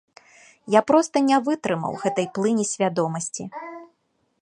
Я проста не вытрымаў гэтай плыні свядомасці.